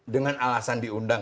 dengan alasan diundang